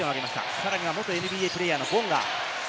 さらには元ＮＢＡプレーヤーのボンガ。